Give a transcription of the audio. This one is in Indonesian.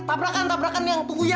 tabrakan tabrakan yang tunggu ya